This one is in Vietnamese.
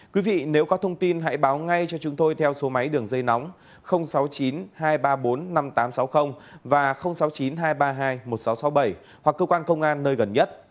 quý vị nếu có thông tin hãy báo ngay cho chúng tôi theo số máy đường dây nóng sáu mươi chín hai trăm ba mươi bốn năm nghìn tám trăm sáu mươi và sáu mươi chín hai trăm ba mươi hai một nghìn sáu trăm sáu mươi bảy hoặc cơ quan công an nơi gần nhất